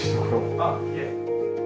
あっいえ。